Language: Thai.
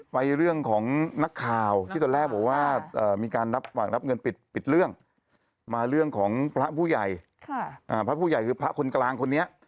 ไปเรื่องของนักข่าวที่ตอนแรกบอกว่ามีการรับฝั่งรับเงินปิดเรื่องมาเรื่องของพระผู้ใหญ่พระผู้ใหญ่คือพระคนกลางคนนี้